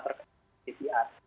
terkait dengan ccr